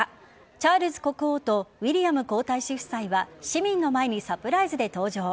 チャールズ国王とウィリアム皇太子夫妻は市民の前にサプライズで登場。